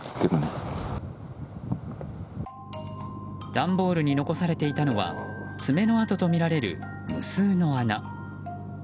段ボールに残されていたのは爪の跡とみられる無数の穴。